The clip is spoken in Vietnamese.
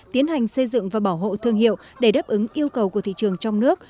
tiến hành xây dựng và bảo hộ thương hiệu để đáp ứng yêu cầu của thị trường trong nước